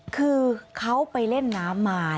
คือเขาไปเล่นน้ำมา